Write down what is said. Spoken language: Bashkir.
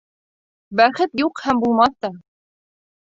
Бәхет юҡ һәм булмаҫ та.